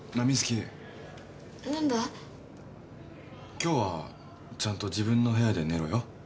今日はちゃんと自分の部屋で寝ろよ。